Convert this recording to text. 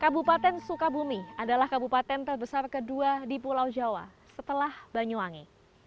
kabupaten sukabumi adalah kabupaten terbesar kedua di pulau jawa setelah banyuwangi